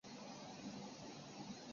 李迅李姚村人。